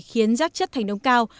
khiến rác chất thành đông cao